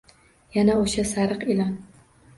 Yana o`sha sariq ilon